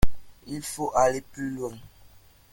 Il faut aller plus loin.